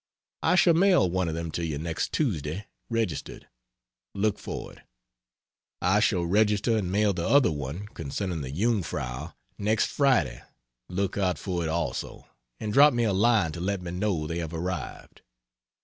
I shall mail one of them to you next Tuesday registered. Lookout for it. I shall register and mail the other one (concerning the "Jungfrau") next Friday look out for it also, and drop me a line to let me know they have arrived.